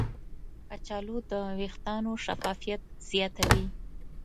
کچالو د ویښتانو شفافیت زیاتوي.